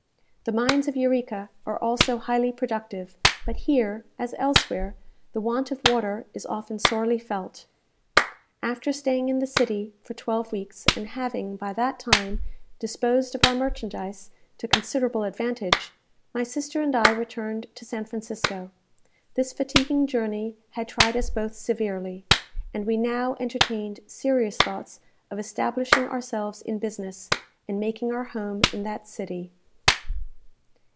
The mines of Eureka are also highly productive; but here, as elsewhere, the want of water is often sorely felt. After staying in the city for twelve weeks, and having, by that time, disposed of our merchandise to considerable advantage, my sister and I returned to San Francisco. This fatiguing journey had tried us both severely, and we now entertained serious thoughts of establishing ourselves in business, and making our home in that city.